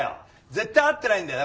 絶対合ってないんだよ。